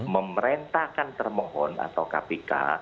memerintahkan termohon atau kpk